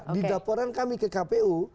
di laporan kami ke kpu